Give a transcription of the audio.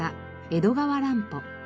江戸川乱歩。